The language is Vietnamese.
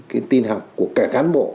cái tin học của cả cán bộ